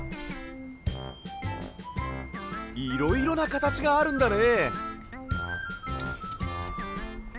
いろいろなかたちがあるんだね！